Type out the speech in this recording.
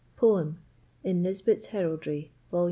Poem, in Nisbet's Heraldry, vol.